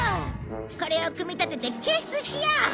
これを組み立てて救出しよう！